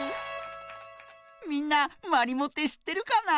みんなまりもってしってるかな？